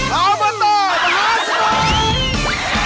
ไทรัตท์ทีวีสร้างแล้ว